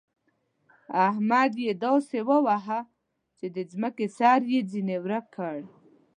احمد يې داسې وواهه چې د ځمکې سر يې ځنې ورک کړ.